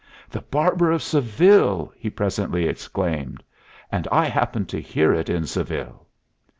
"The Barber of Seville!" he presently exclaimed. "And I happened to hear it in Seville."